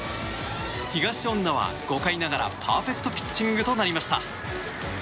東恩納は５回ながらパーフェクトピッチングとなりました。